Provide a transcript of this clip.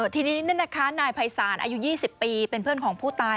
ทีนี้นายภัยศาลอายุ๒๐ปีเป็นเพื่อนของผู้ตาย